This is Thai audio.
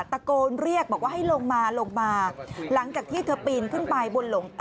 ตะโกนเรียกบอกว่าให้ลงมาลงมาหลังจากที่เธอปีนขึ้นไปบนหลง